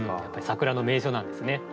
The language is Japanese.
やっぱり桜の名所なんですね。